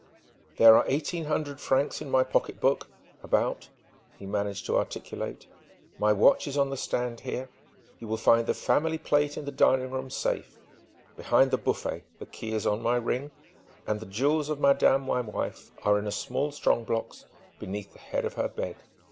"There are eighteen hundred francs in my pocketbook about," he managed to articulate. "My watch is on the stand here. You will find the family plate in the dining room safe, behind the buffet the key is on my ring and the jewels of madame my wife are in a small strong box beneath the head of her bed.